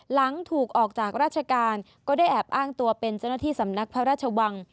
หลังถูกออกจากราชการก็ได้แอบอ้างตัวเป็นเจ้าหน้าที่สำนักพระราชวัง